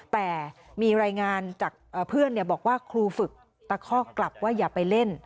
แต่มีรายงานจากเพื่อนบอกว่าครูฝึกตะคอกกลับว่าอย่าไปเล่น